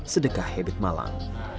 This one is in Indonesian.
sedekah hebit malang